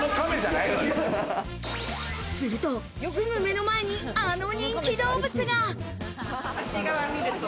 すると、すぐ目の前に、あの人気動物が。